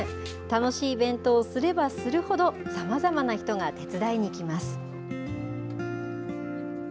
楽しいイベントをすればするほど、さまざまな人が手伝いに来ます。